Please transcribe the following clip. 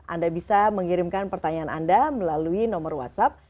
anda bisa mengirimkan pertanyaan anda melalui nomor whatsapp